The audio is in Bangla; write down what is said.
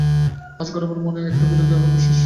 আজ গোরার মনে একটা বিরোধের আগুন বিশেষ করিয়াই জ্বলিতেছিল।